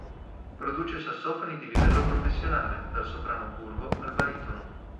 Produce sassofoni di livello professionale, dal soprano curvo al baritono.